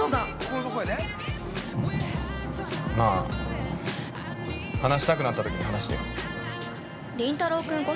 まぁ、話したくなったときに話してよ。